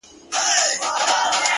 o پر تك سره پلـــنــگ؛